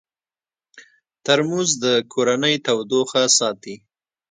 ترموز د کورنۍ تودوخه ساتي.